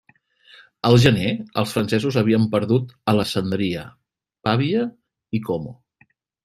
Al gener, els francesos havien perdut Alessandria, Pavia i Como.